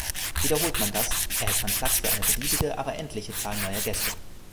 Wiederholt man das, erhält man Platz für eine beliebige, aber "endliche" Zahl neuer Gäste.